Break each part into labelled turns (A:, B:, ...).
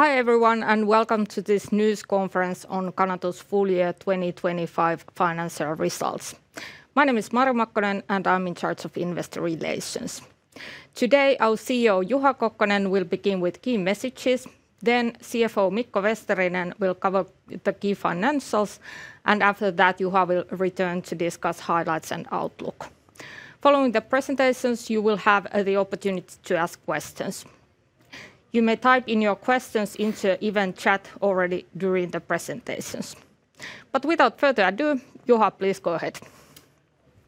A: Hi, everyone, welcome to this news conference on Canatu's Full Year 2025 Financial Results. My name is Mari Makkonen, and I'm in charge of investor relations. Today, our CEO, Juha Kokkonen, will begin with key messages, then CFO Mikko Vesterinen will cover the key financials, and after that, Juha will return to discuss highlights and outlook. Following the presentations, you will have the opportunity to ask questions. You may type in your questions into event chat already during the presentations. Without further ado, Juha, please go ahead.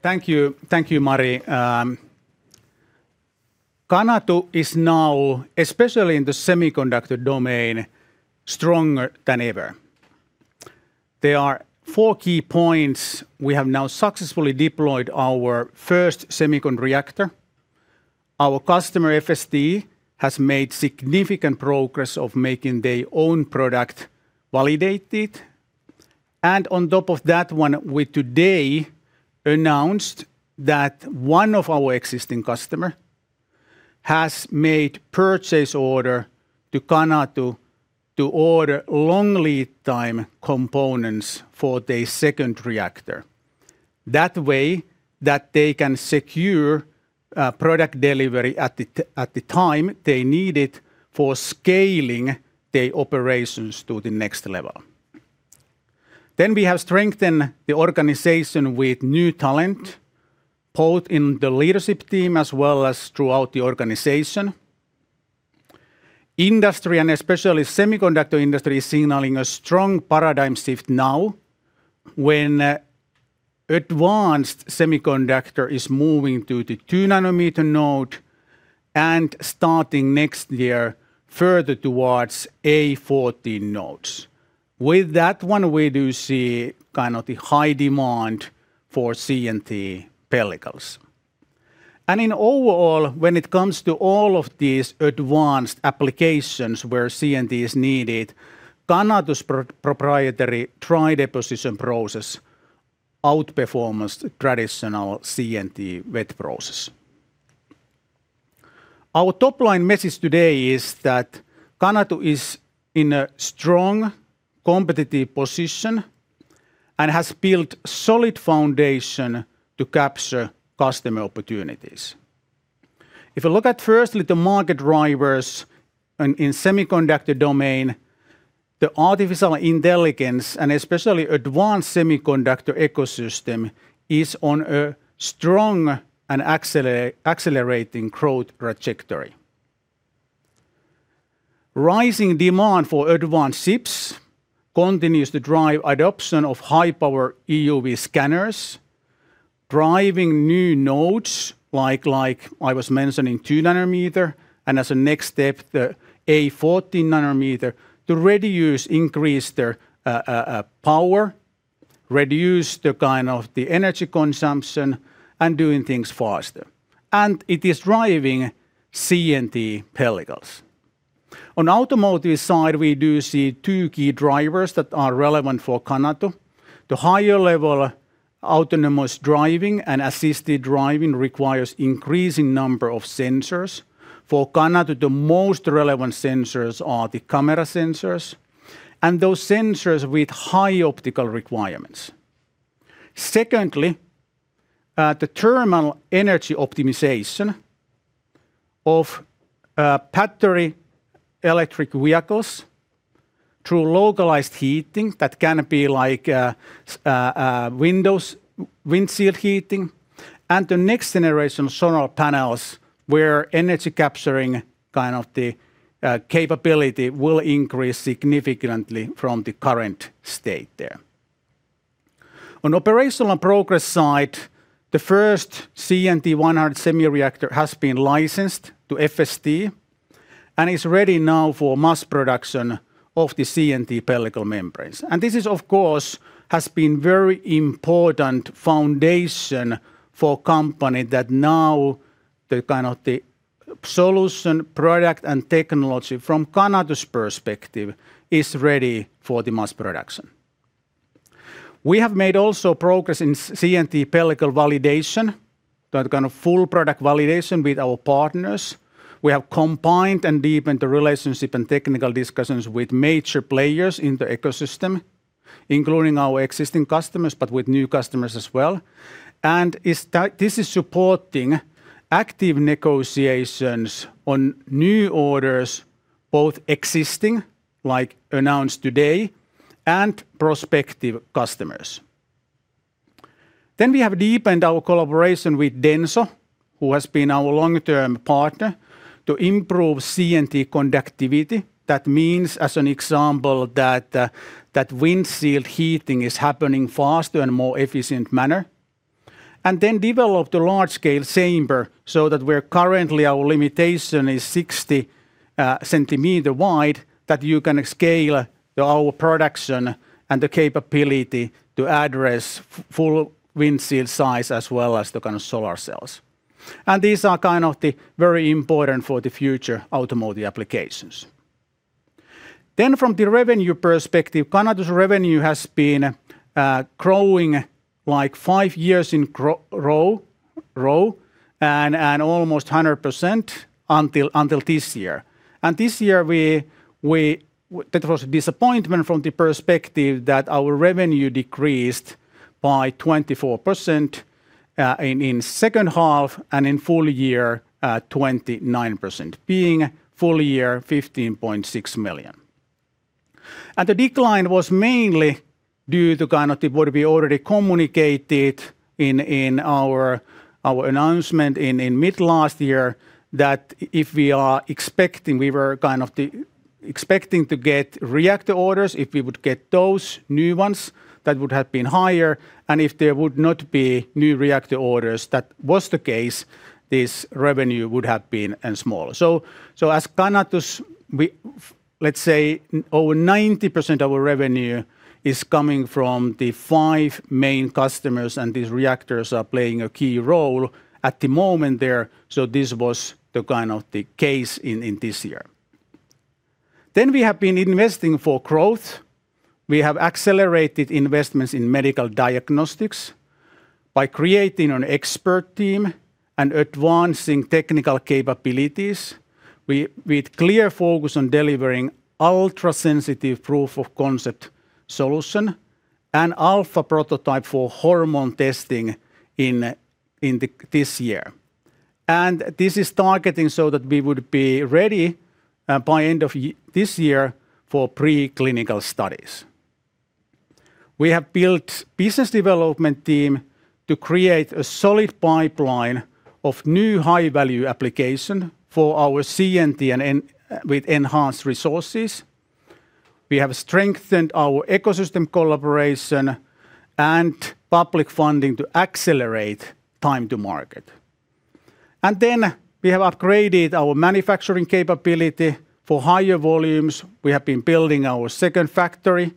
B: Thank you. Thank you, Mari. Canatu is now, especially in the semiconductor domain, stronger than ever. There are four key points. We have now successfully deployed our first semicon reactor. Our customer, FST, has made significant progress of making their own product validated. On top of that one, we today announced that one of our existing customer has made purchase order to Canatu to order long lead time components for their second reactor. That way, that they can secure product delivery at the time they need it for scaling their operations to the next level. We have strengthened the organization with new talent, both in the leadership team as well as throughout the organization. Industry, and especially semiconductor industry, is signaling a strong paradigm shift now when advanced semiconductor is moving to the 2 nm node and starting next year further towards A14 nodes. With that one, we do see kind of the high demand for CNT pellicles. In overall, when it comes to all of these advanced applications where CNT is needed, Canatu's proprietary Dry Deposition process outperformance traditional CNT wet process. Our top line message today is that Canatu is in a strong competitive position and has built solid foundation to capture customer opportunities. If you look at firstly the market drivers in semiconductor domain, the artificial intelligence and especially advanced semiconductor ecosystem is on a strong and accelerating growth trajectory. Rising demand for advanced chips continues to drive adoption of high-power EUV scanners, driving new nodes like I was mentioning, 2 nm, and as a next step, the A14 nm to increase their power, reduce the kind of the energy consumption and doing things faster. It is driving CNT pellicles. On automotive side, we do see two key drivers that are relevant for Canatu. The higher level autonomous driving and assisted driving requires increasing number of sensors. For Canatu, the most relevant sensors are the camera sensors, and those sensors with high optical requirements. Secondly, the thermal energy optimization of battery electric vehicles through localized heating, that can be like windows windshield heating, and the next generation solar panels where energy capturing kind of the capability will increase significantly from the current state there. On operational progress side, the first CNT100 SEMI reactor has been licensed to FST and is ready now for mass production of the CNT pellicle membranes. This is, of course, has been very important foundation for company that now the kind of the solution, product and technology from Canatu's perspective is ready for the mass production. We have made also progress in CNT pellicle validation, that kind of full product validation with our partners. We have combined and deepened the relationship and technical discussions with major players in the ecosystem, including our existing customers, but with new customers as well. This is supporting active negotiations on new orders, both existing, like announced today, and prospective customers. We have deepened our collaboration with DENSO, who has been our long-term partner, to improve CNT conductivity. That means, as an example, that windshield heating is happening faster and more efficient manner. Developed a large-scale chamber so that we're currently our limitation is 60 cm wide that you can scale our production and the capability to address full windshield size as well as the kind of solar cells. These are kind of the very important for the future automotive applications. From the revenue perspective, Canatu's revenue has been growing like five years in row and almost 100% until this year. This year we that was a disappointment from the perspective that our revenue decreased by 24% in second half, and in full year 29%, being full year 15.6 million. The decline was mainly due to kind of what we already communicated in our announcement in mid last year, that if we are expecting, we were kind of expecting to get reactor orders, if we would get those new ones, that would have been higher, and if there would not be new reactor orders, that was the case, this revenue would have been smaller. As Canatu, we let's say over 90% our revenue is coming from the five main customers, and these reactors are playing a key role at the moment there. This was the kind of the case in this year. We have been investing for growth. We have accelerated investments in medical diagnostics by creating an expert team and advancing technical capabilities. We, with clear focus on delivering ultra-sensitive proof of concept solution and alpha prototype for hormone testing this year. This is targeting so that we would be ready by end of this year for pre-clinical studies. We have built business development team to create a solid pipeline of new high-value application for our CNT with enhanced resources. We have strengthened our ecosystem collaboration and public funding to accelerate time to market. We have upgraded our manufacturing capability for higher volumes. We have been building our second factory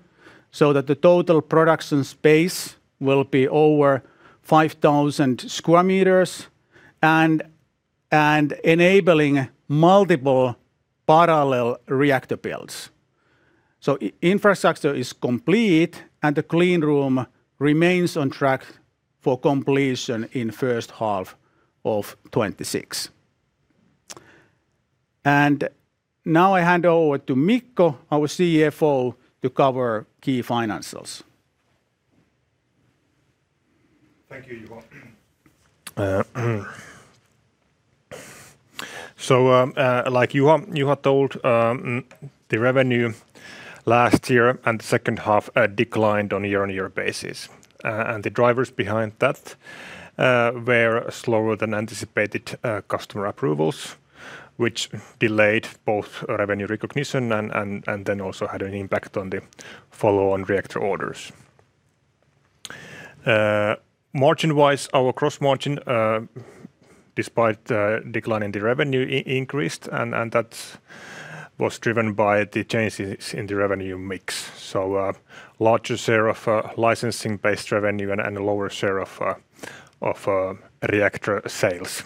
B: so that the total production space will be over 5,000 sq m and enabling multiple parallel reactor builds. Infrastructure is complete, and the clean room remains on track for completion in first half of 2026. I hand over to Mikko, our CFO, to cover key financials.
C: Thank you, Juha. Like Juha told, the revenue last year and second half declined on a year-on-year basis. The drivers behind that were slower than anticipated customer approvals, which delayed both revenue recognition and then also had an impact on the follow-on reactor orders. Margin-wise, our gross margin, despite the decline in the revenue increased, and that was driven by the changes in the revenue mix. Larger share of licensing based revenue and a lower share of reactor sales,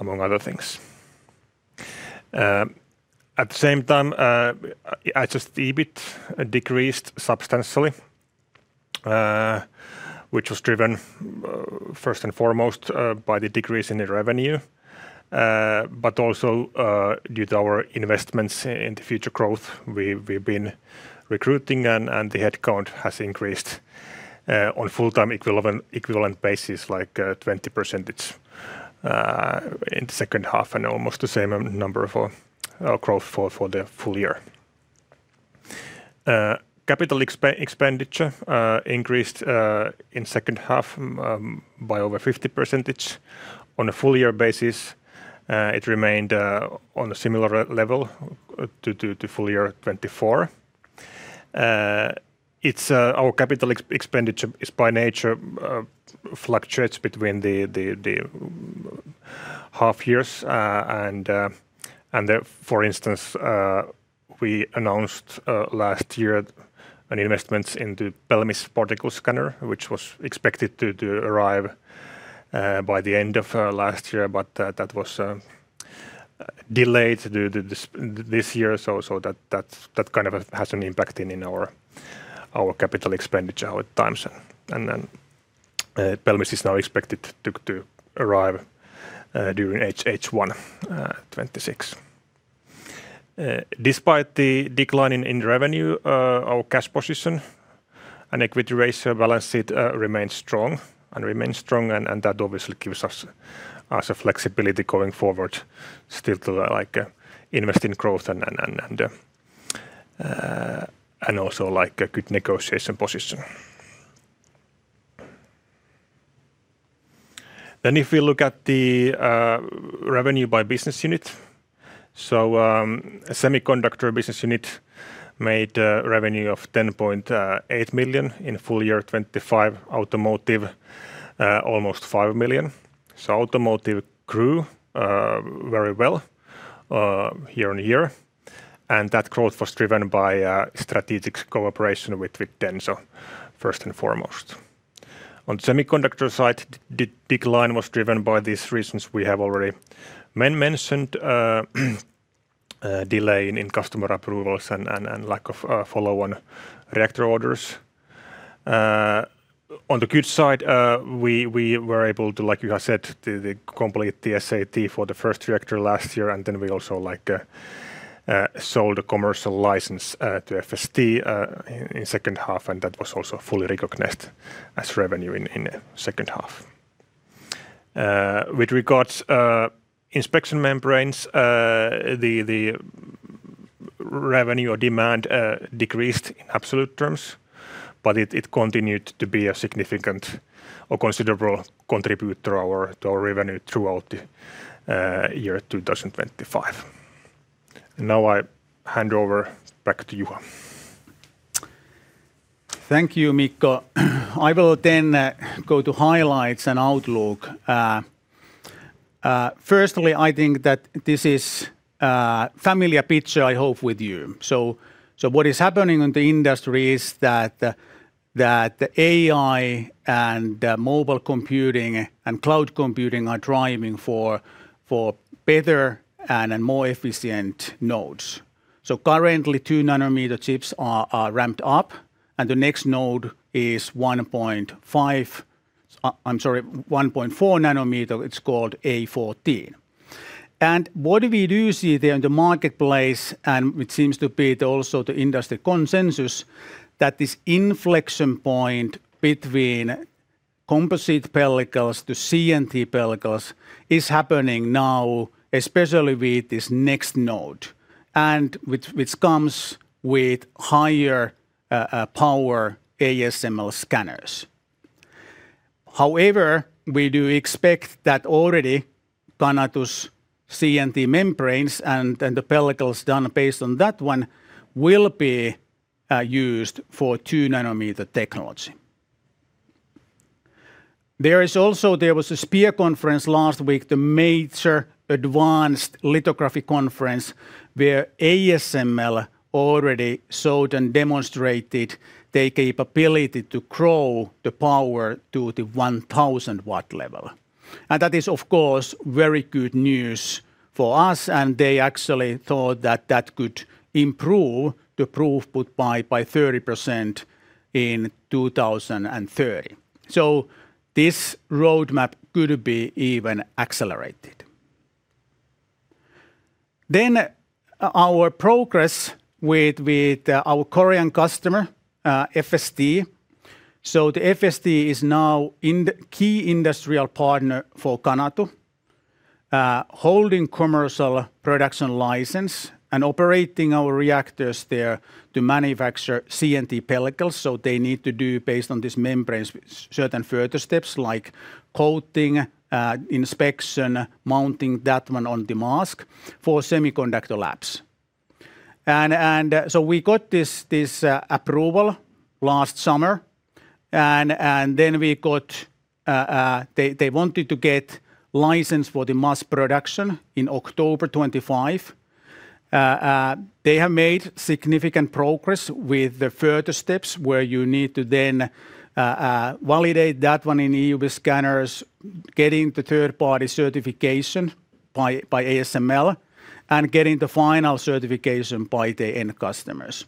C: among other things. At the same time, adjusted EBIT decreased substantially, which was driven first and foremost by the decrease in the revenue, but also due to our investments in the future growth. We've been recruiting and the headcount has increased on full-time equivalent basis, like 20% in the second half, and almost the same number for growth for the full year. Capital expenditure increased in second half by over 50%. On a full-year basis, it remained on a similar level to full year 2024. It's our capital expenditure is by nature fluctuates between the half years. For instance, we announced last year an investments into PELMIS particle scanner, which was expected to arrive by the end of last year, but that was delayed due to this year. That kind of has an impact in our capital expenditure all the times. PELMIS is now expected to arrive during H1 2026. Despite the decline in revenue, our cash position and equity ratio balance sheet remains strong, and that obviously gives us a flexibility going forward still to, like, invest in growth and also, like, a good negotiation position. If you look at the revenue by business unit. Semiconductor business unit made a revenue of 10.8 million in full year 2025. Automotive almost 5 million. Automotive grew very well year-on-year, and that growth was driven by a strategic cooperation with DENSO first and foremost. On the semiconductor side, the decline was driven by these reasons we have already mentioned. Delay in customer approvals and lack of follow-on reactor orders. On the good side, we were able to, like Juha said, complete the SAT for the first reactor last year, and then we also, like, sold a commercial license to FST in second half, and that was also fully recognized as revenue in second half. With regards inspection membranes, the revenue or demand decreased in absolute terms, but it continued to be a significant or considerable contributor to our revenue throughout the year 2025. Now I hand over back to Juha.
B: Thank you, Mikko. I will go to highlights and outlook. Firstly, I think that this is familiar picture I hope with you. What is happening in the industry is that AI and mobile computing and cloud computing are driving for better and more efficient nodes. Currently, 2 nm chips are ramped up, and the next node is 1.4 nm. It's called A14. What we do see there in the marketplace, and it seems to be the also the industry consensus, that this inflection point between composite pellicles to CNT pellicles is happening now, especially with this next node, which comes with higher power ASML scanners. However, we do expect that already Canatu's CNT membranes and the pellicles done based on that one will be used for 2 nm technology. There was a SPIE conference last week, the major advanced lithography conference, where ASML already showed and demonstrated their capability to grow the power to the 1,000 W level. That is, of course, very good news for us, and they actually thought that that could improve the throughput by 30% in 2030. This roadmap could be even accelerated. Our progress with our Korean customer, FST. The FST is now key industrial partner for Canatu, holding commercial production license and operating our reactors there to manufacture CNT pellicles, so they need to do based on these membranes certain further steps like coating, inspection, mounting that one on the mask for semiconductor labs. We got this approval last summer, and then we got. They wanted to get license for the mass production in October 25. They have made significant progress with the further steps where you need to then validate that one in EUV scanners, getting the third-party certification by ASML, and getting the final certification by the end customers.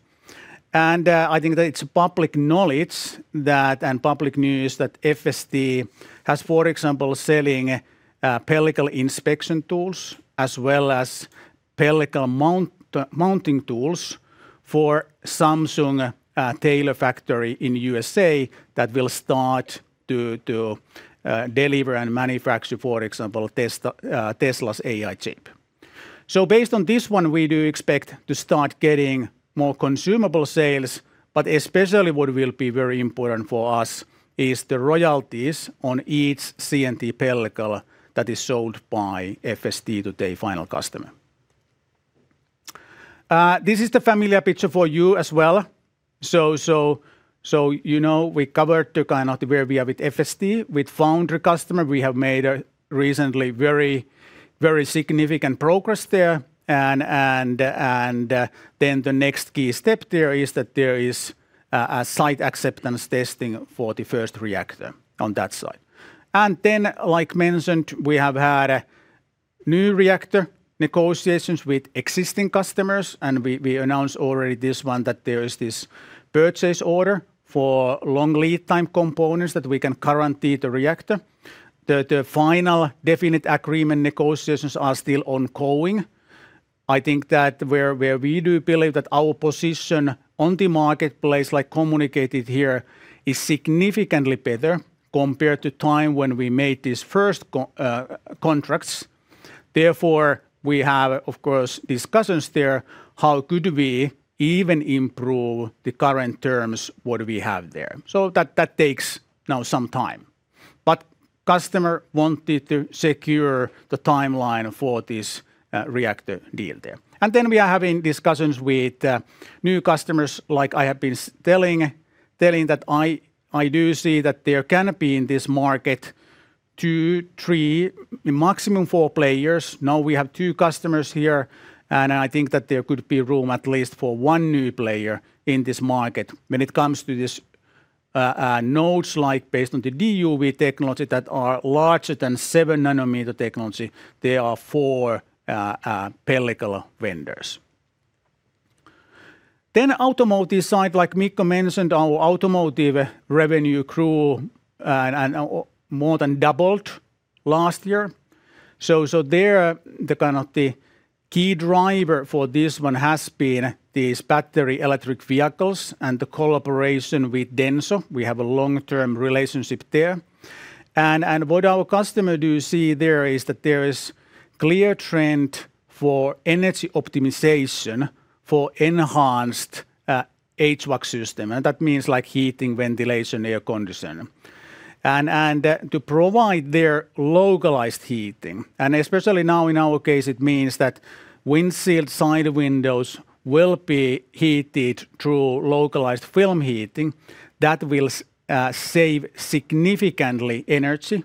B: I think that it's public knowledge that, and public news that FST has, for example, selling pellicle inspection tools as well as pellicle mounting tools for Samsung Taylor factory in U.S.A. that will start to deliver and manufacture, for example, Tesla's AI chip. Based on this one, we do expect to start getting more consumable sales, but especially what will be very important for us is the royalties on each CNT pellicle that is sold by FST to their final customer. This is the familiar picture for you as well. You know, we covered kind of where we are with FST. With foundry customer, we have made a recently very, very significant progress there. Then the next key step there is that there is a site acceptance testing for the first reactor on that side. Then, like mentioned, we have had new reactor negotiations with existing customers, and we announced already this one that there is this purchase order for long lead time components that we can guarantee the reactor. The final definite agreement negotiations are still ongoing. I think that where we do believe that our position on the marketplace, like communicated here, is significantly better compared to time when we made these first contracts. Therefore, we have, of course, discussions there, how could we even improve the current terms what we have there. That takes now some time. Customer wanted to secure the timeline for this reactor deal there. Then we are having discussions with new customers, like I have been telling that I do see that there can be in this market two, three, maximum four players. Now we have two customers here, and I think that there could be room at least for one new player in this market when it comes to this nodes like based on the DUV technology that are larger than 7 nm technology, there are four pellicle vendors. Automotive side, like Mikko mentioned, our automotive revenue grew and more than doubled last year. There, the kind of the key driver for this one has been these battery electric vehicles and the collaboration with DENSO. We have a long-term relationship there. What our customer do see there is that there is clear trend for energy optimization for enhanced HVAC system, and that means like heating, ventilation, air conditioning. To provide their localized heating, and especially now in our case it means that windshield side windows will be heated through localized film heating. That will save significantly energy,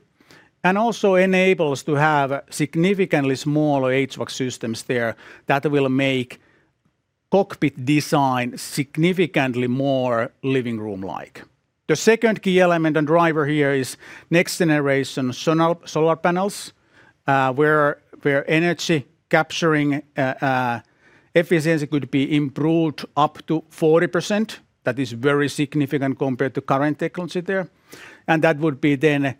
B: and also enable us to have significantly smaller HVAC systems there that will make cockpit design significantly more living room-like. The second key element and driver here is next generation [sono] solar panels, where energy capturing efficiency could be improved up to 40%. That is very significant compared to current technology there. That would be then a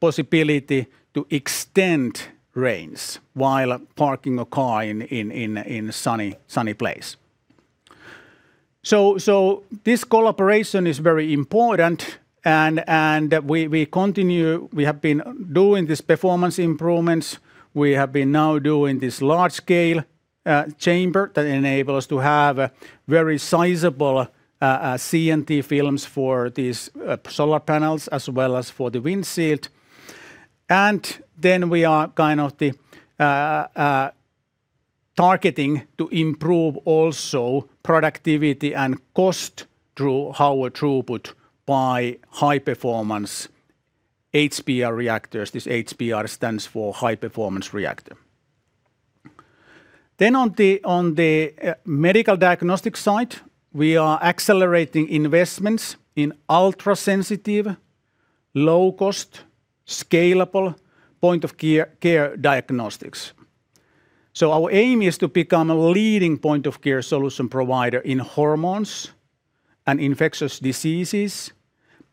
B: possibility to extend range while parking a car in sunny place. This collaboration is very important and we have been doing these performance improvements. We have been now doing this large scale chamber that enable us to have very sizable CNT films for these solar panels as well as for the windshield. We are kind of the targeting to improve also productivity and cost through our throughput by high performance HPR reactors. This HPR stands for high performance reactor. On the medical diagnostics side, we are accelerating investments in ultra-sensitive, low cost, scalable point of care diagnostics. Our aim is to become a leading point of care solution provider in hormones and infectious diseases,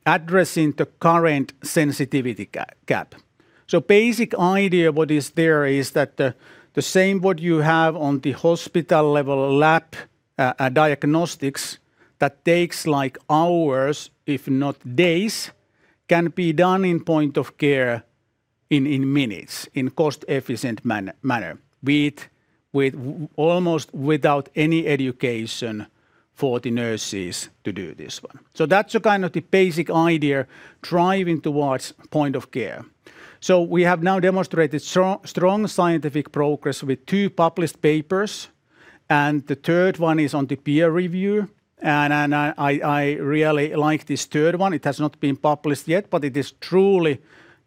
B: addressing the current sensitivity gap. Basic idea what is there is that the same what you have on the hospital level lab diagnostics that takes like hours, if not days, can be done in point of care in minutes, in cost efficient manner with almost without any education for the nurses to do this one. That's kind of the basic idea driving towards point of care. We have now demonstrated strong scientific progress with two published papers, and the third one is on the peer review. I really like this third one. It has not been published yet, but it is truly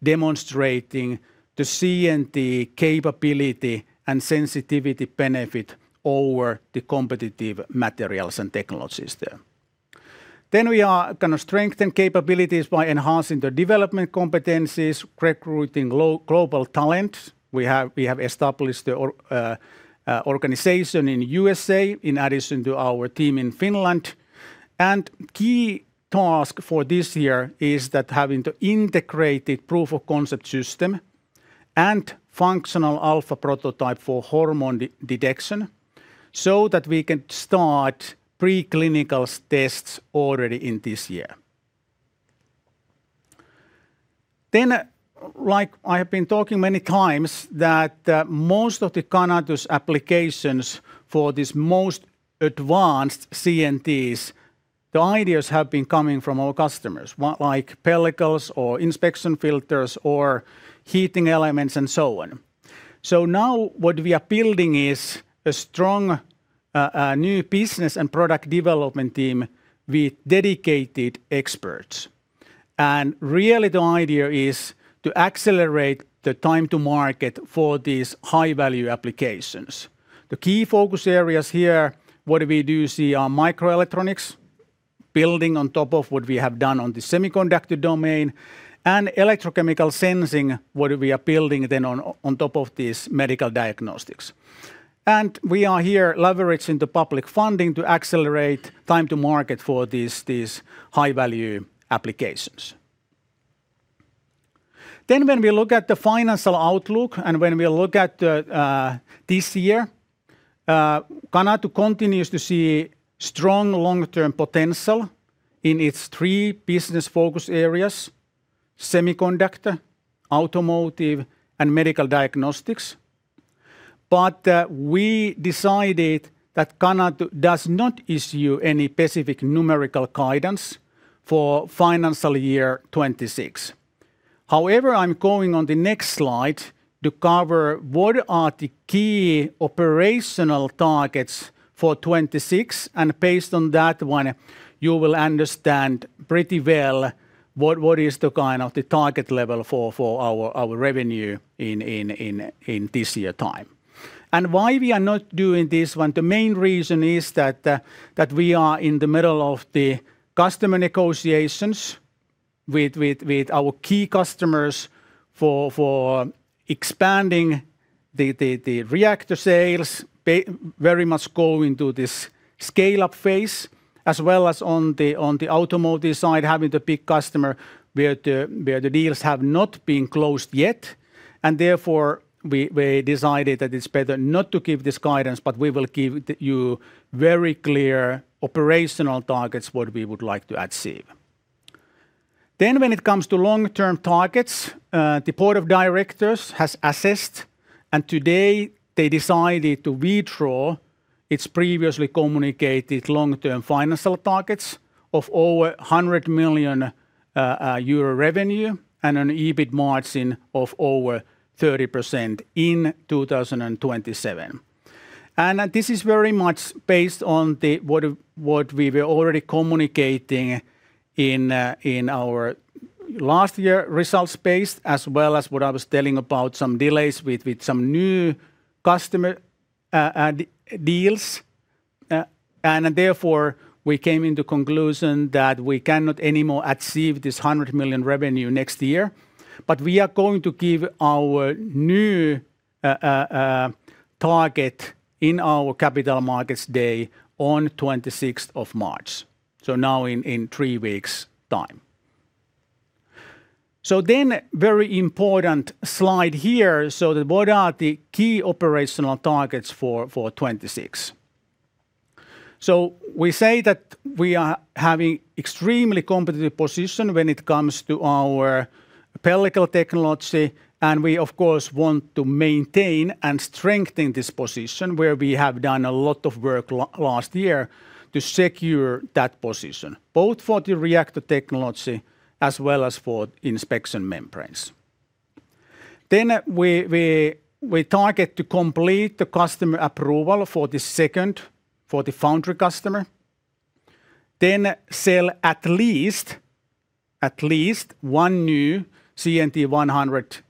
B: demonstrating the CNT capability and sensitivity benefit over the competitive materials and technologies there. We are gonna strengthen capabilities by enhancing the development competencies, recruiting global talent. We have established our organization in USA in addition to our team in Finland. Key task for this year is that having the integrated proof of concept system and functional alpha prototype for hormone detection, so that we can start preclinical tests already in this year. Like I have been talking many times, that most of the Canatu's applications for these most advanced CNTs, the ideas have been coming from our customers. One like pellicles or inspection filters or heating elements and so on. Now what we are building is a strong new business and product development team with dedicated experts. Really the idea is to accelerate the time to market for these high value applications. The key focus areas here, what we do see are microelectronics, building on top of what we have done on the semiconductor domain, and electrochemical sensing, what we are building then on top of these medical diagnostics. We are here leveraging the public funding to accelerate time to market for these high value applications. When we look at the financial outlook and when we look at this year, Canatu continues to see strong long-term potential in its three business focus areas: semiconductor, automotive, and medical diagnostics. We decided that Canatu does not issue any specific numerical guidance for financial year 2026. However, I'm going on the next slide to cover what are the key operational targets for 2026, and based on that one, you will understand pretty well what is the kind of the target level for our revenue in this year time? Why we are not doing this one? The main reason is that we are in the middle of the customer negotiations with our key customers for expanding the reactor sales. Very much going to this scale-up phase, as well as on the automotive side, having the big customer where the deals have not been closed yet. Therefore, we decided that it's better not to give this guidance, but we will give you very clear operational targets what we would like to achieve. When it comes to long-term targets, the board of directors has assessed, and today they decided to withdraw its previously communicated long-term financial targets of over 100 million euro revenue and an EBIT margin of over 30% in 2027. This is very much based on what we were already communicating in our last year results page, as well as what I was telling about some delays with some new customer deals. Therefore, we came into conclusion that we cannot anymore achieve this 100 million revenue next year. We are going to give our new target in our Capital Markets Day on 26th of March. Now in three weeks' time. Very important slide here. What are the key operational targets for 2026? We say that we are having extremely competitive position when it comes to our pellicle technology, and we of course want to maintain and strengthen this position where we have done a lot of work last year to secure that position, both for the reactor technology as well as for inspection membranes. We target to complete the customer approval for the second, for the foundry customer. Sell at least one new CNT100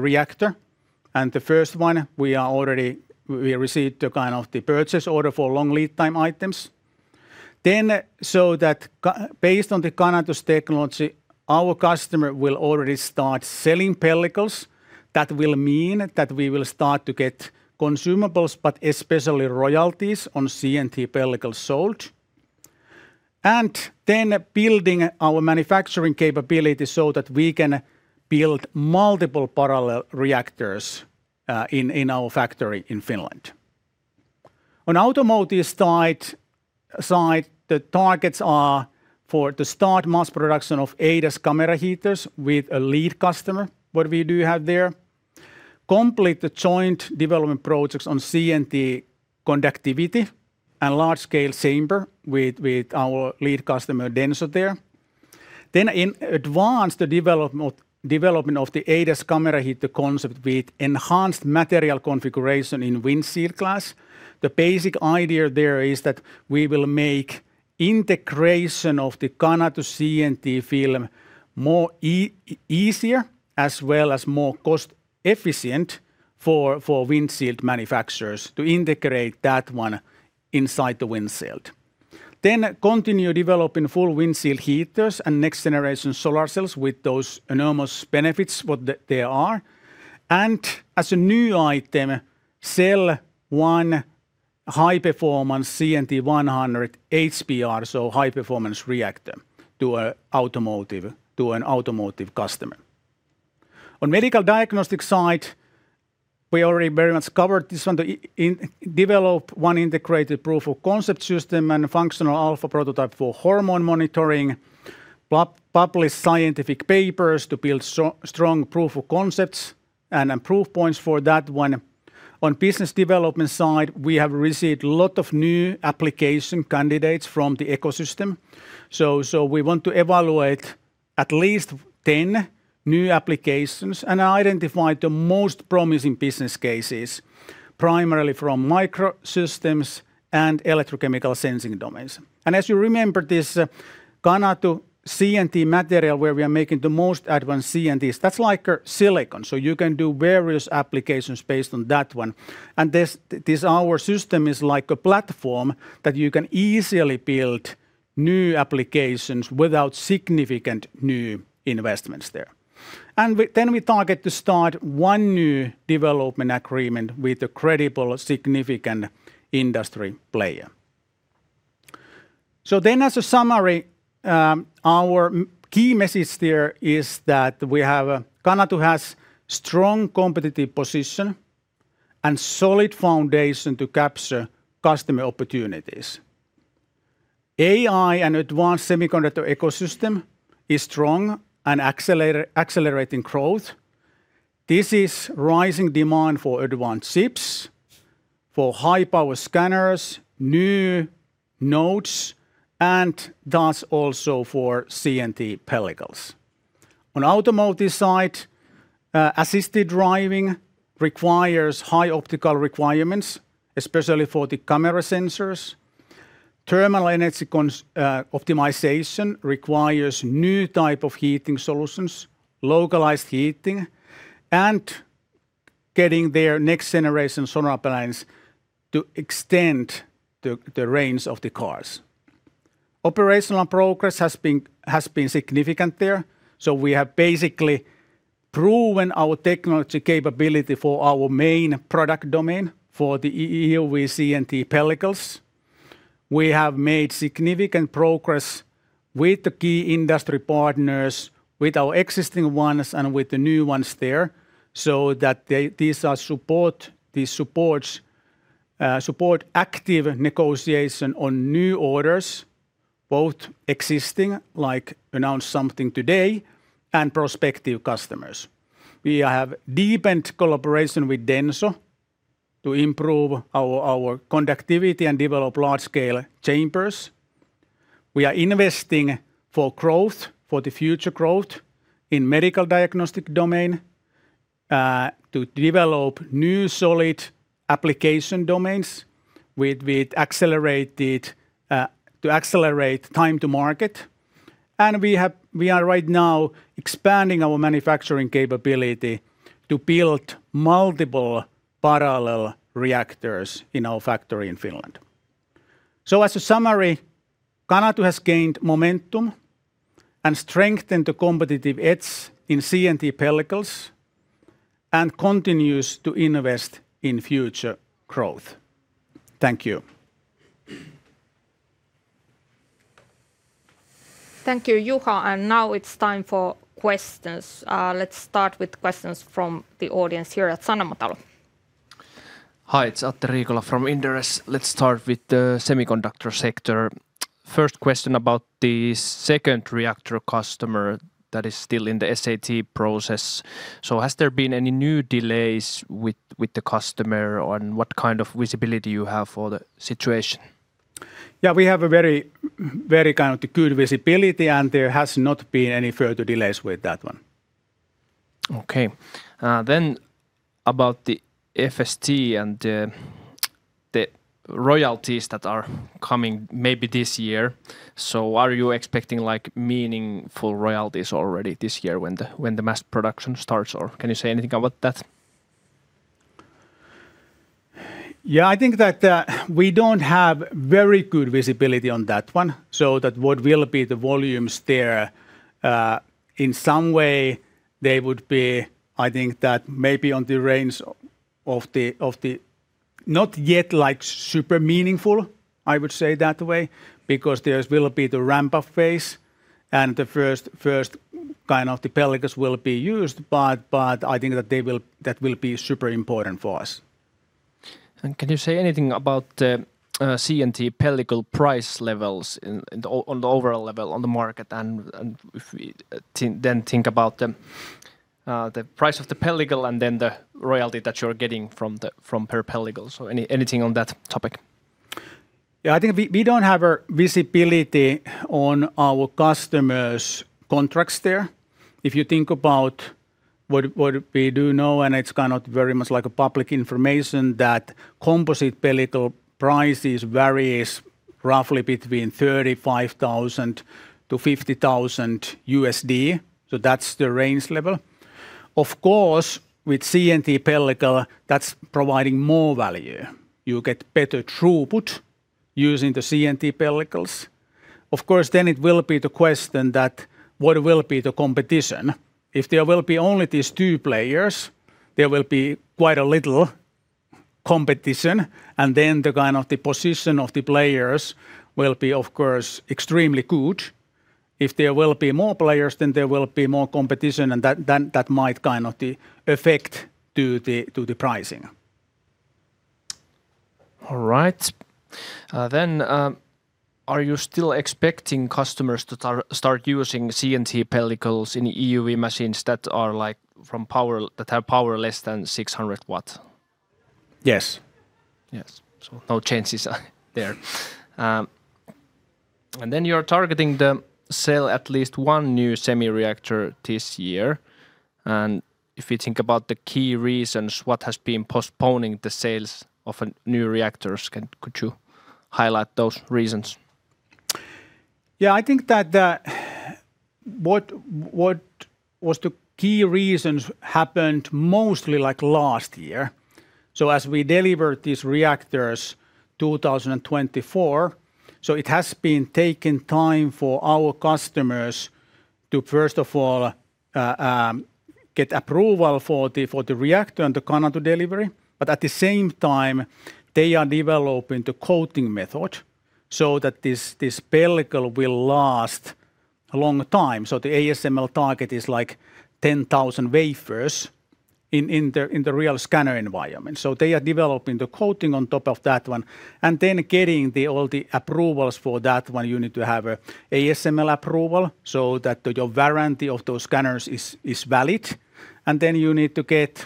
B: reactor. The first one, we received the kind of the purchase order for long lead time items. Based on Canatu's technology, our customer will already start selling pellicles. That will mean that we will start to get consumables, but especially royalties on CNT pellicles sold. Building our manufacturing capability so that we can build multiple parallel reactors in our factory in Finland. On automotive side, the targets are for to start mass production of ADAS camera heaters with a lead customer, what we do have there. Complete the joint development projects on CNT conductivity and large scale chamber with our lead customer, DENSO there. In advance the development of the ADAS camera heater concept with enhanced material configuration in windshield glass. The basic idea there is that we will make integration of the Canatu CNT film more easier as well as more cost efficient for windshield manufacturers to integrate that one inside the windshield. Continue developing full windshield heaters and next-generation solar cells with those enormous benefits what they are. As a new item, sell one high-performance CNT100 HPR, so high-performance reactor, to an automotive customer. On medical diagnostics side, we already very much covered this one. Develop one integrated proof of concept system and a functional alpha prototype for hormone monitoring. Publish scientific papers to build strong proof of concepts and proof points for that one. On business development side, we have received lot of new application candidates from the ecosystem. We want to evaluate at least 10 new applications and identify the most promising business cases, primarily from microsystems and electrochemical sensing domains. As you remember, this Canatu CNT material, where we are making the most advanced CNTs, that's like a silicon, so you can do various applications based on that one. This our system is like a platform that you can easily build new applications without significant new investments there. We target to start one new development agreement with a credible, significant industry player. As a summary, our key message there is that Canatu has strong competitive position and solid foundation to capture customer opportunities. AI and advanced semiconductor ecosystem is strong and accelerating growth. This is rising demand for advanced chips, for high-power scanners, new nodes, and thus also for CNT pellicles. On automotive side, assisted driving requires high optical requirements, especially for the camera sensors. Thermal energy optimization requires new type of heating solutions, localized heating, and getting their next generation solar panels to extend the range of the cars. Operational progress has been significant there. We have basically proven our technology capability for our main product domain for the EUV CNT pellicles. We have made significant progress with the key industry partners, with our existing ones and with the new ones there. These supports support active negotiation on new orders, both existing, like announced something today, and prospective customers. We have deepened collaboration with DENSO to improve our conductivity and develop large-scale chambers. We are investing for growth, for the future growth in medical diagnostic domain to develop new solid application domains with accelerated to accelerate time to market. We are right now expanding our manufacturing capability to build multiple parallel reactors in our factory in Finland. As a summary, Canatu has gained momentum and strengthened the competitive edge in CNT pellicles and continues to invest in future growth. Thank you.
A: Thank you, Juha, now it's time for questions. Let's start with questions from the audience here at Sanomatalo.
D: Hi, it's Atte Riikola from Inderes. Let's start with the semiconductor sector. First question about the second reactor customer that is still in the SAT process. Has there been any new delays with the customer, what kind of visibility you have for the situation?
B: Yeah, we have a very kind of good visibility, and there has not been any further delays with that one.
D: About the FST and the royalties that are coming maybe this year. Are you expecting meaningful royalties already this year when the mass production starts, or can you say anything about that?
B: Yeah, I think that we don't have very good visibility on that one, so that what will be the volumes there. In some way, they would be, I think that maybe on the range of the, not yet like super meaningful, I would say that way, because there's will be the ramp-up phase, and the first kind of the pellicles will be used, but I think that that will be super important for us.
D: Can you say anything about CNT pellicle price levels in the overall level on the market and if we then think about the price of the pellicle and then the royalty that you're getting from per pellicle. Anything on that topic?
B: Yeah, I think we don't have a visibility on our customers' contracts there. If you think about what we do know, and it's kind of very much like a public information, that composite pellicle prices varies roughly between $35,000-$50,000, so that's the range level. Of course, with CNT pellicle, that's providing more value. You get better throughput using the CNT pellicles. Of course, then it will be the question that what will be the competition. If there will be only these two players, there will be quite a little competition, and then the kind of the position of the players will be, of course, extremely good. If there will be more players, then there will be more competition, then that might kind of the effect to the pricing.
D: All right. Are you still expecting customers to start using CNT pellicles in EUV machines that have power less than 600 W?
B: Yes.
D: Yes. No changes are there. You're targeting the sale at least one new SEMI reactor this year, and if you think about the key reasons what has been postponing the sales of a new SEMI reactors, could you highlight those reasons?
B: Yeah, I think that what was the key reasons happened mostly last year. As we delivered these reactors 2024, it has been taking time for our customers to, first of all, get approval for the, for the reactor and the Canatu delivery. At the same time, they are developing the coating method so that this pellicle will last a long time. The ASML target is 10,000 wafers in the real scanner environment. They are developing the coating on top of that one and then getting all the approvals for that one. You need to have a ASML approval so that your warranty of those scanners is valid. You need to get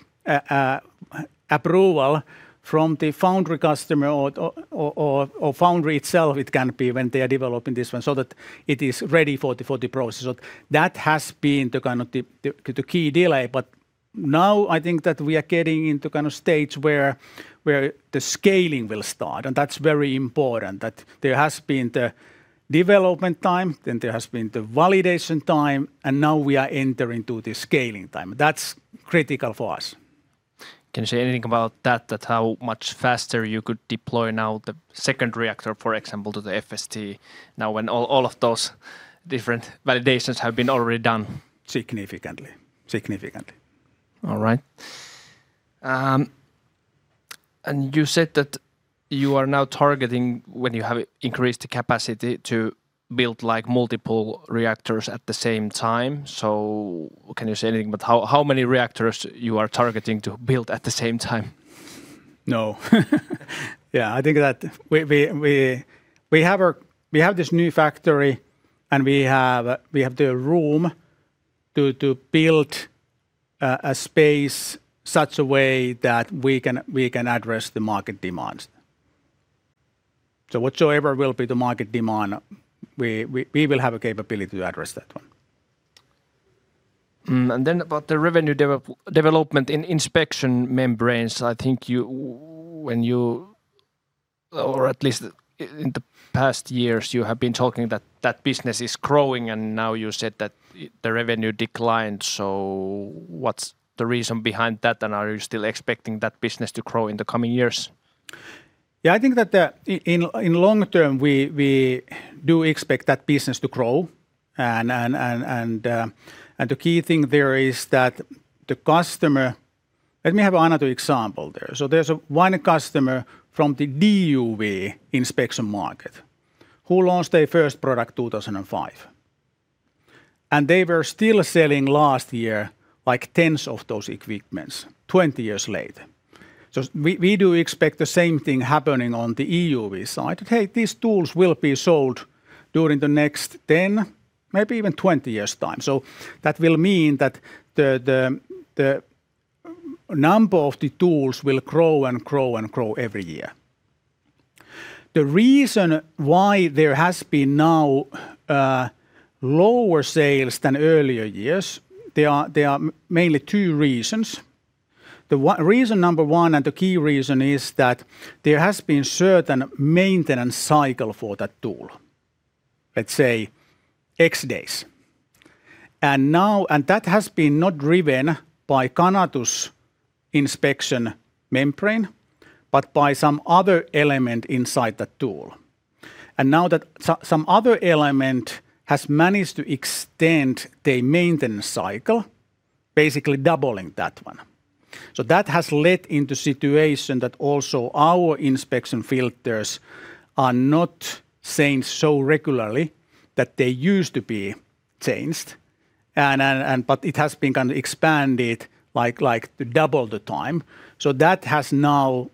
B: approval from the foundry customer or foundry itself it can be when they are developing this one, so that it is ready for the process. That has been the kind of the key delay. Now I think that we are getting into kind of stage where the scaling will start. That's very important that there has been the development time. There has been the validation time. Now we are entering to the scaling time. That's critical for us.
D: Can you say anything about that how much faster you could deploy now the second reactor, for example, to the FST now when all of those different validations have been already done?
B: Significantly.
D: All right. You said that you are now targeting when you have increased the capacity to build, like, multiple reactors at the same time. Can you say anything about how many reactors you are targeting to build at the same time?
B: No. Yeah, I think that we have this new factory, and we have the room to build a space such a way that we can address the market demands. Whatsoever will be the market demand, we will have a capability to address that one.
D: About the revenue development in inspection membranes, I think or at least in the past years you have been talking that business is growing, and now you said that the revenue declined. What's the reason behind that, and are you still expecting that business to grow in the coming years?
B: Yeah, I think that, in long term, we do expect that business to grow. The key thing there is that the customer... Let me have another example there. There's one customer from the DUV inspection market who launched their first product 2005. They were still selling last year like tens of those equipments 20 years later. We do expect the same thing happening on the EUV side. Hey, these tools will be sold during the next 10, maybe even 20 years' time. That will mean that the number of the tools will grow and grow and grow every year. The reason why there has been now lower sales than earlier years, there are mainly two reasons. The reason number one and the key reason is that there has been certain maintenance cycle for that tool, let's say X days. That has been not driven by Canatu's inspection membrane but by some other element inside the tool. Now that some other element has managed to extend the maintenance cycle, basically doubling that one. That has led into situation that also our inspection filters are not changed so regularly that they used to be changed. It has been kind of expanded like double the time. That has now,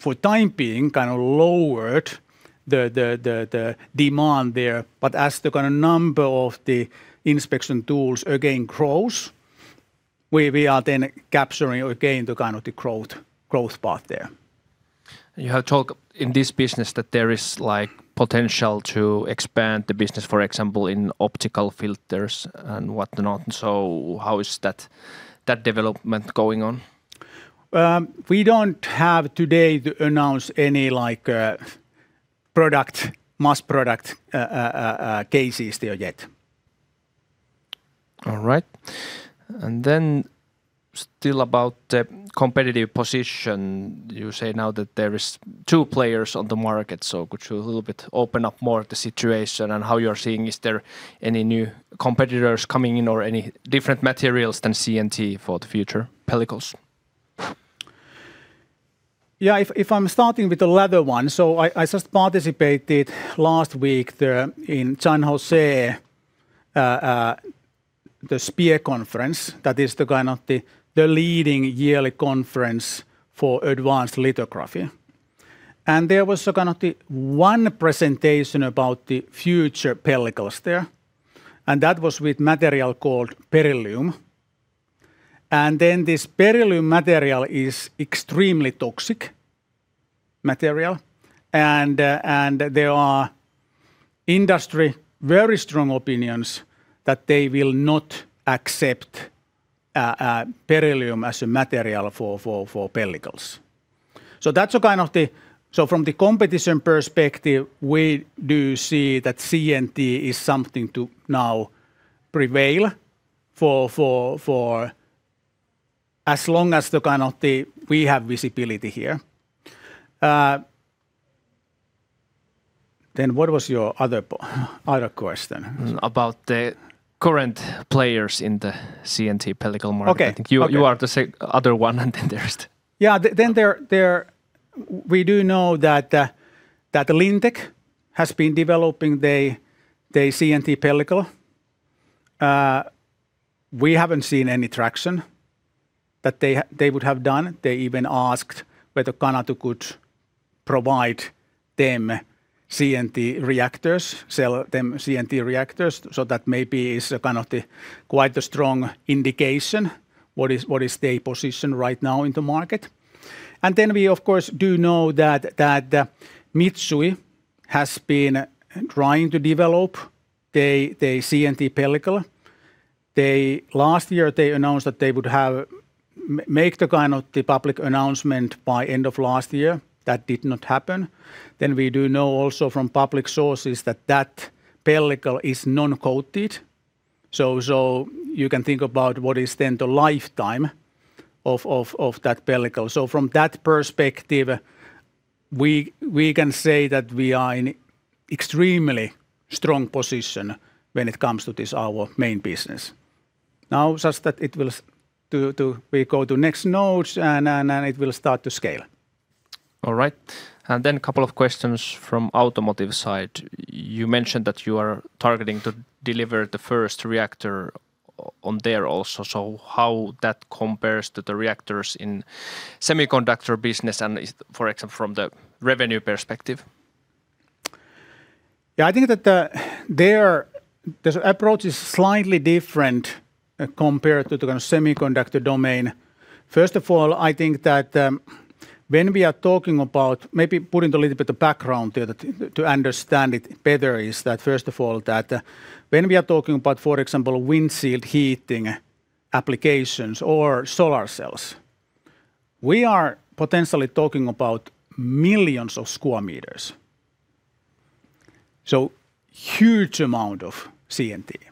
B: for time being, kind of lowered the demand there. As the kind of number of the inspection tools again grows, we are then capturing again the kind of the growth part there.
D: You have talked in this business that there is, like, potential to expand the business, for example, in optical filters and whatnot. How is that development going on?
B: We don't have today to announce any, like, product, mass product, cases there yet.
D: All right. Still about the competitive position. You say now that there is two players on the market, so could you a little bit open up more the situation and how you're seeing is there any new competitors coming in or any different materials than CNT for the future pellicles?
B: Yeah. If I'm starting with the latter one, I just participated last week in San Jose, the SPIE conference. That is the kind of the leading yearly conference for advanced lithography. There was kind of the one presentation about the future pellicles there, that was with material called beryllium. This beryllium material is extremely toxic material, and there are industry very strong opinions that they will not accept beryllium as a material for pellicles. That's kind of the... From the competition perspective, we do see that CNT is something to now prevail for as long as the kind of the... we have visibility here. What was your other question?
D: About the current players in the CNT pellicle market.
B: Okay. Okay.
D: I think you are the other one, and then there's the.
B: We do know that LINTEC has been developing their CNT pellicle. We haven't seen any traction that they would have done. They even asked whether Canatu could provide them CNT reactors, sell them CNT reactors, so that maybe is kind of the quite a strong indication what is their position right now in the market. We, of course, do know that Mitsui has been trying to develop the CNT pellicle. Last year they announced that they would have make the kind of the public announcement by end of last year. That did not happen. We do know also from public sources that pellicle is non-coated, so you can think about what is then the lifetime of that pellicle. From that perspective, we can say that we are in extremely strong position when it comes to this, our main business. We go to next nodes, and it will start to scale.
D: All right. Then couple of questions from automotive side. You mentioned that you are targeting to deliver the first reactor on there also, so how that compares to the reactors in semiconductor business and is, for example, from the revenue perspective?
B: Yeah, I think that there this approach is slightly different compared to the kind of semiconductor domain. First of all, I think that when we are talking about maybe putting a little bit of background to understand it better is that, first of all, that when we are talking about, for example, windshield heating applications or solar cells, we are potentially talking about millions of square meters, so huge amount of CNT.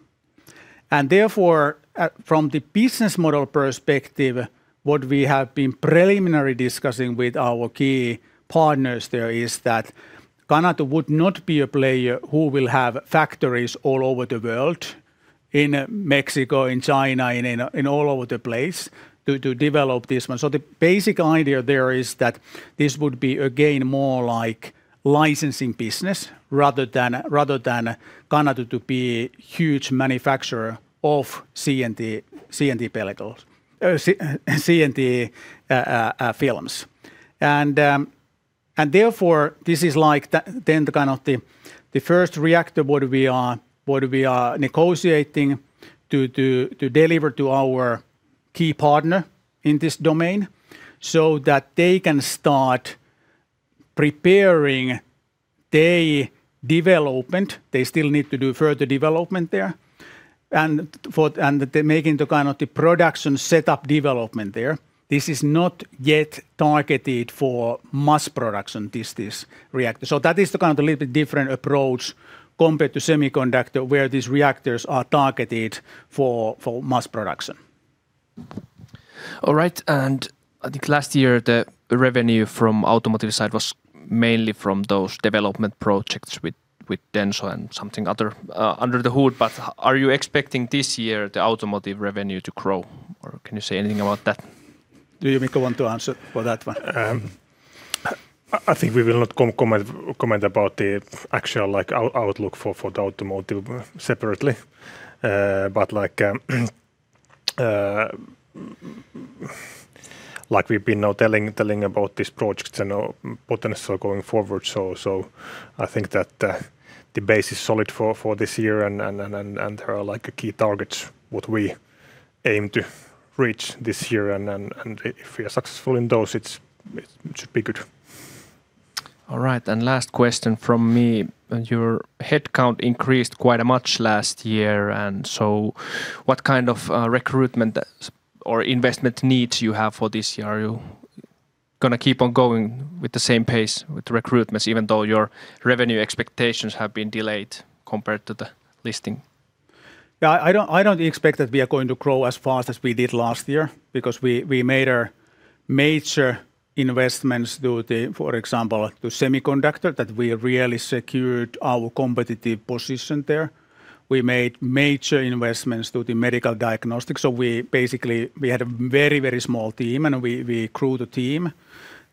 B: Therefore, from the business model perspective, what we have been preliminary discussing with our key partners there is that Canatu would not be a player who will have factories all over the world, in Mexico, in China, in all over the place to develop this one. The basic idea there is that this would be, again, more like licensing business rather than Canatu to be huge manufacturer of CNT pellicles, CNT films. Therefore, this is like the first reactor we are negotiating to deliver to our key partner in this domain so that they can start preparing their development. They still need to do further development there. They're making the kind of the production setup development there. This is not yet targeted for mass production, this reactor. That is the kind of little bit different approach compared to semiconductor where these reactors are targeted for mass production.
D: All right. I think last year the revenue from automotive side was mainly from those development projects with DENSO and something other under the hood. Are you expecting this year the automotive revenue to grow, or can you say anything about that?
B: Do you, Mikko, want to answer for that one?
C: I think we will not comment about the actual, like, outlook for the automotive separately. Like we've been now telling about these projects and potential going forward, I think that the base is solid for this year and there are, like, key targets what we aim to reach this year. If we are successful in those, it should be good.
D: All right. Last question from me. Your headcount increased quite a much last year, what kind of recruitment or investment needs you have for this year? Are you gonna keep on going with the same pace with recruitments even though your revenue expectations have been delayed compared to the listing?
B: I don't expect that we are going to grow as fast as we did last year because we made our major investments for example, to semiconductor, that we really secured our competitive position there. We made major investments to the medical diagnostics, we basically, we had a very, very small team and we grew the team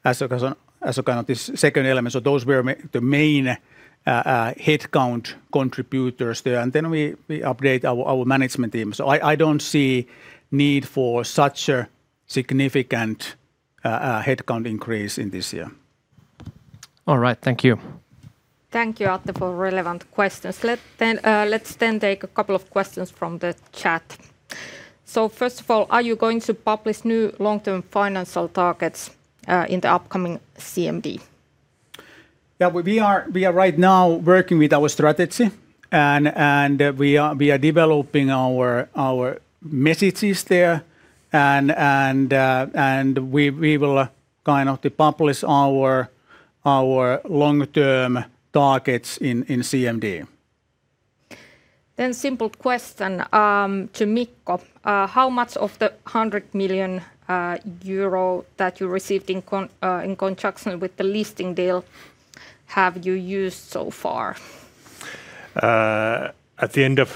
B: as a kind of this second element. Those were the main headcount contributors there. We update our management team. I don't see need for such a significant headcount increase in this year.
D: All right. Thank you.
A: Thank you, Atte, for relevant questions. Let's then take a couple of questions from the chat. First of all, are you going to publish new long-term financial targets in the upcoming CMD?
B: Yeah, we are right now working with our strategy and we are developing our messages there, and we will kind of to publish our long-term targets in CMD.
A: Simple question to Mikko. How much of the 100 million euro that you received in conjunction with the listing deal have you used so far?
C: At the end of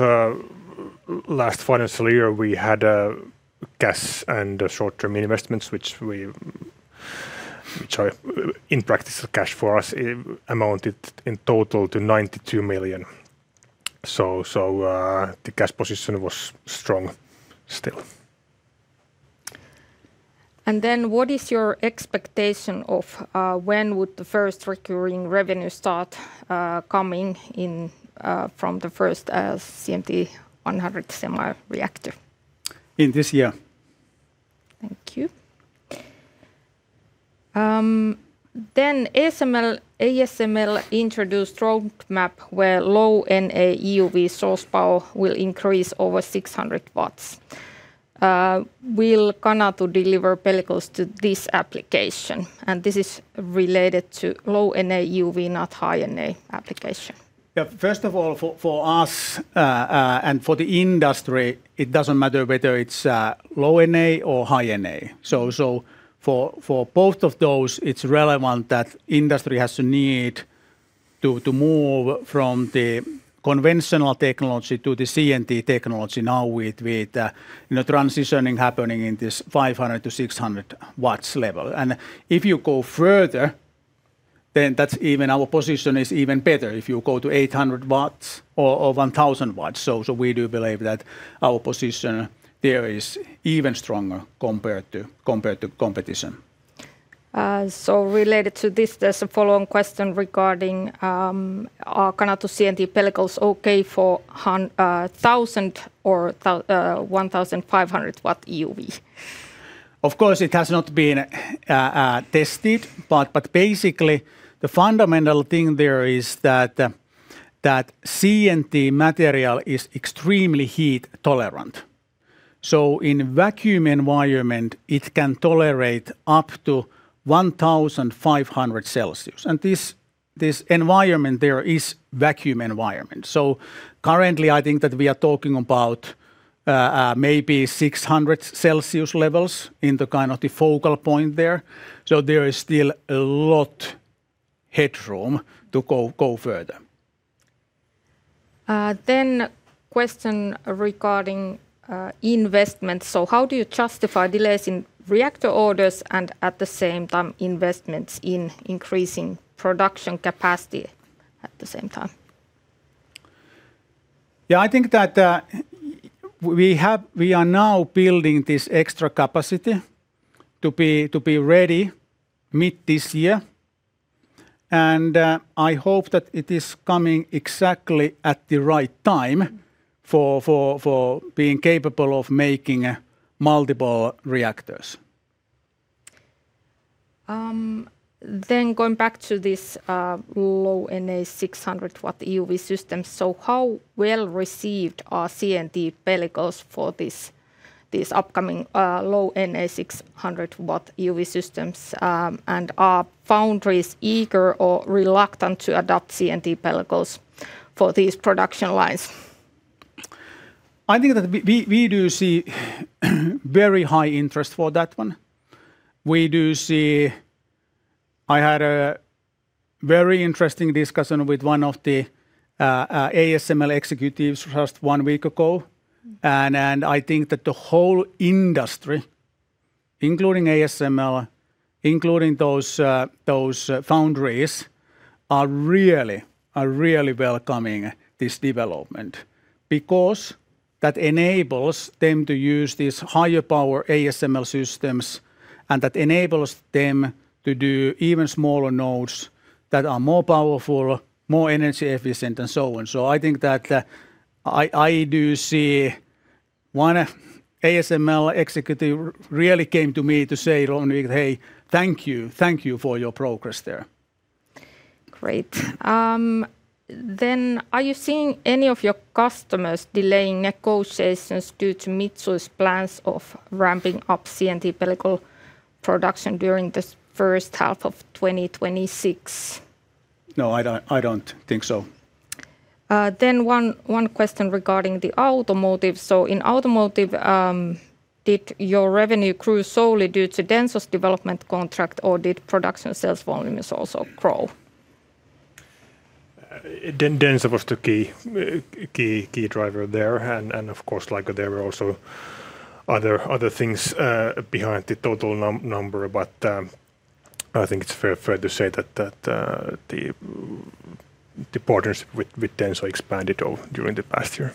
C: last financial year, we had cash and short-term investments. In practice, the cash for us amounted in total to 92 million, so the cash position was strong still.
A: What is your expectation of when would the first recurring revenue start coming in from the first CNT100 SEMI reactor?
B: In this year.
A: Thank you. ASML introduced roadmap where Low-NA EUV source power will increase over 600 W. Will Canatu deliver pellicles to this application? This is related to Low-NA EUV, not High-NA application.
B: First of all, for us, and for the industry, it doesn't matter whether it's Low-NA or High-NA. So for both of those, it's relevant that industry has the need to move from the conventional technology to the CNT technology now with, you know, transitioning happening in this 500-600 W level. If you go further, then that's even our position is even better, if you go to 800 W or 1,000 W. So we do believe that our position there is even stronger compared to competition.
A: Related to this, there's a follow-on question regarding, are Canatu CNT pellicles okay for 1,000 or 1,500 W EUV?
B: It has not been tested, but basically the fundamental thing there is that CNT material is extremely heat tolerant. In vacuum environment, it can tolerate up to 1,500 Celsius. This environment there is vacuum environment, so currently I think that we are talking about maybe 600 Celsius levels in the kind of the focal point there. There is still a lot headroom to go further.
A: Question regarding investment. How do you justify delays in reactor orders and at the same time investments in increasing production capacity at the same time?
B: Yeah, I think that, we are now building this extra capacity to be, to be ready mid this year. I hope that it is coming exactly at the right time for being capable of making multiple reactors.
A: Going back to this, Low-NA 600 W EUV system, how well received are CNT pellicles for this upcoming, Low-NA 600 W EUV systems? Are foundries eager or reluctant to adopt CNT pellicles for these production lines?
B: I think that we do see very high interest for that one. We do see. I had a very interesting discussion with one of the ASML executives just one week ago. I think that the whole industry, including ASML, including those foundries, are really welcoming this development because that enables them to use these higher power ASML systems, and that enables them to do even smaller nodes that are more powerful, more energy efficient and so on. I think that I do see one ASML executive really came to me to say, "Roni, hey, thank you. Thank you for your progress there.
A: Great. Are you seeing any of your customers delaying negotiations due to Mitsui's plans of ramping up CNT pellicle production during the first half of 2026?
B: No, I don't, I don't think so.
A: One, one question regarding the automotive. In automotive, did your revenue grow solely due to DENSO's development contract or did production sales volumes also grow?
C: DENSO was the key driver there. Of course, like there were also other things behind the total number. I think it's fair to say that the partners with DENSO expanded during the past year.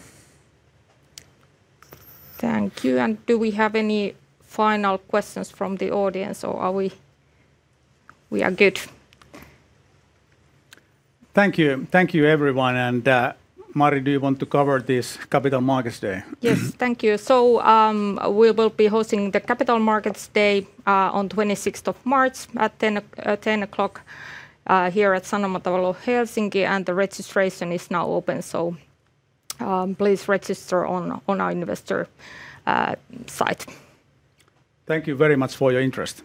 A: Thank you. Do we have any final questions from the audience or are we? We are good.
B: Thank you. Thank you, everyone. Mari, do you want to cover this Capital Markets Day?
A: Yes. Thank you. We will be hosting the Capital Markets Day, on 26th of March at 10:00, here at Sanomatalo, Helsinki, and the registration is now open. Please register on our investor site.
B: Thank you very much for your interest.